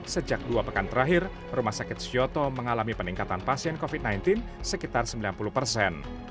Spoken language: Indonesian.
sejak dua pekan terakhir rumah sakit suyoto mengalami peningkatan pasien covid sembilan belas sekitar sembilan puluh persen